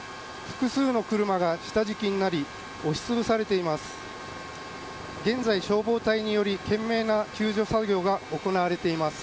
複数の車が下敷きになり押し潰されています。